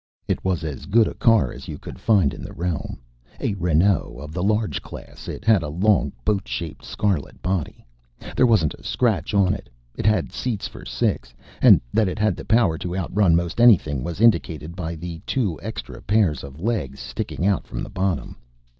It was as good a car as you could find in the realm. A Renault of the large class, it had a long boat shaped scarlet body. There wasn't a scratch on it. It had seats for six. And that it had the power to outrun most anything was indicated by the two extra pairs of legs sticking out from the bottom.